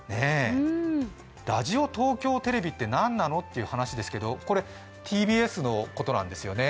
ラジオ東京テレビって何なのって話ですけどこれ、ＴＢＳのことなんですよね。